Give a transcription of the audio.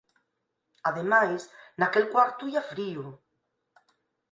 Ademais, naquel cuarto ía frío.